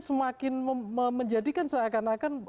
semakin menjadikan seakan akan